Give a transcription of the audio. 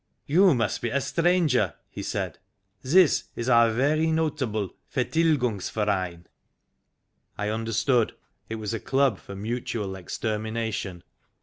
"You must be a stranger," he said. "This is our very notable Vertildungsverein" I understood : it was a Club for Mutual Extermina tion.